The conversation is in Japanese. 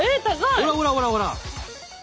ほらほらほらほら！